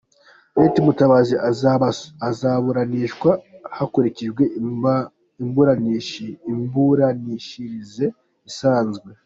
Lt. Mutabazi azaburanishwa hakurikijwe imiburanishirize isanzwe.”